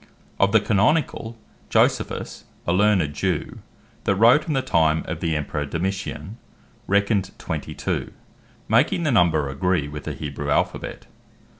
Of the Canonicall, Josephus a learned Jew, that wrote in the time of the Emperor Domitian, reckoneth Twenty Two, making the number agree with the Hebrew Alphabet.